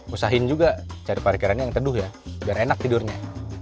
usahain juga cari parkirannya yang teduh ya biar enak tidurnya